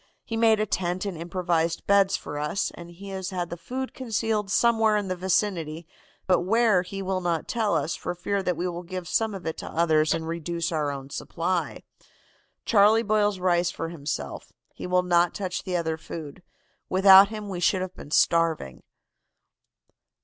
He made a tent and improvised beds for us, and he has the food concealed somewhere in the vicinity, but where he will not tell us, for fear that we will give some of it to others and reduce our own supply. Charlie boils rice for himself. He will not touch the other food. Without him we should have been starving.